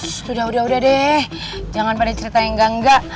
ssss udah udah deh jangan pada ceritanya yang gangga